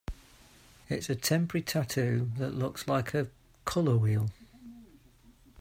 It's a temporary tattoo that looks like... a color wheel?